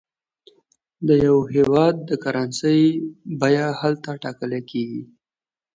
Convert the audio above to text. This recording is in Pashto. د یو هېواد د کرنسۍ بیه هلته ټاکل کېږي.